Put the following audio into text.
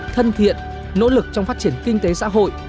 thân thiện nỗ lực trong phát triển kinh tế xã hội